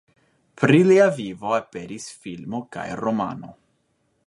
Pri lia vivo aperis filmo kaj romano.